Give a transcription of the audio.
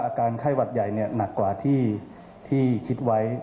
อาการไข้หวัดใหญ่หนักกว่าที่คิดไว้